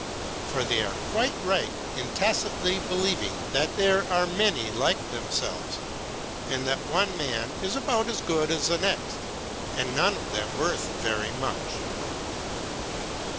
For they are quite right in tacitly believing that there are many like themselves, and that one man is about as good as the next, and none of them worth very much."